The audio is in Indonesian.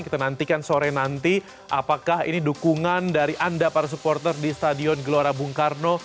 kita nantikan sore nanti apakah ini dukungan dari anda para supporter di stadion gelora bung karno